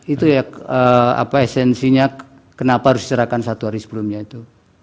itu ya esensinya kenapa harus diserahkan satu hari sebelumnya itu